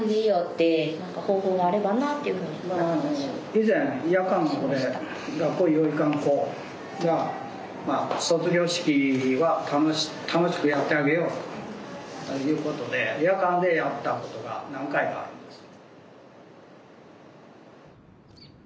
以前夜間の子で学校によう行かん子が卒業式は楽しくやってあげようということで夜間でやったことが何回かあるんです。